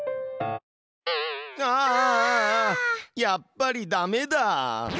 やっぱりダメだ。